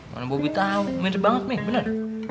mana bobby tau mirip banget nih bener